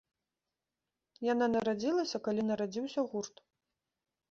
Яна нарадзілася, калі нарадзіўся гурт!